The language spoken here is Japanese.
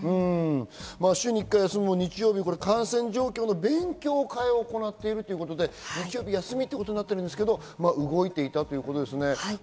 週に１回の休みも感染状況の勉強会を行っているということで、日曜日は休みということですが動いていたということですね。